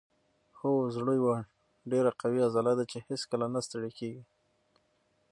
هو زړه یوه ډیره قوي عضله ده چې هیڅکله نه ستړې کیږي